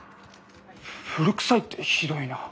古くさいってひどいなぁ。